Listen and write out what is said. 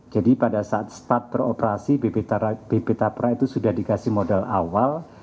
pada saat start beroperasi bp tapra itu sudah dikasih modal awal